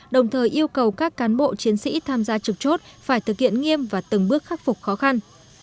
đồng thời yêu cầu các cán bộ chiến sĩ tham gia trực chốt phải thực hiện nghiêm và từng bước khắc phục khó khăn